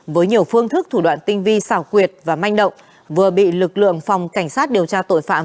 với nhiều phương thức thủ đoạn tinh vi xảo quyệt và manh động vừa bị lực lượng phòng cảnh sát điều tra tội phạm